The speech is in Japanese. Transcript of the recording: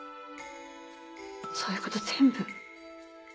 そういうこと全部。